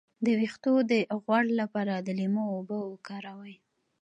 د ویښتو د غوړ لپاره د لیمو اوبه وکاروئ